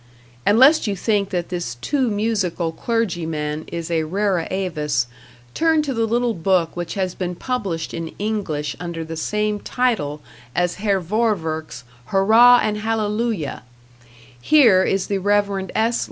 And lest you think that this too musical clergyman is a rara avis, turn to the little book which has been published in English under the same title as Herr Vorwerk's "Hurrah and Hallelujah." Here is the Reverend S.